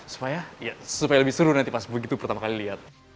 supaya ya supaya lebih seru nanti pas begitu pertama kali lihat